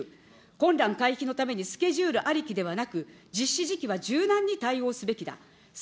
混乱回避のために、スケジュールありきではなく、実施時期は柔軟に対応すべきだ。